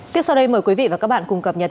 tiếp sau đây mời quý vị và các bạn cùng cập nhật